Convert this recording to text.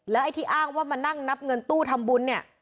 ไอ้ที่อ้างว่ามานั่งนับเงินตู้ทำบุญเนี่ย